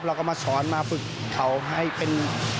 เราก็มาสอนมาฝึกเขาให้เป็น